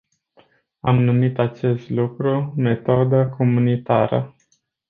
Am numit acest lucru metodă comunitară.